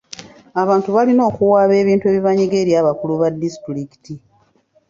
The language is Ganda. Abantu balina okuwaaba ebintu ebibanyiga eri abakulu ba disitulikiti.